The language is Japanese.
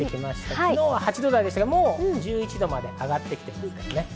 昨日は８度台で今日は１１度まで上がってきています。